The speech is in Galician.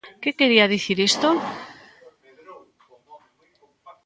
¿Que quería dicir isto?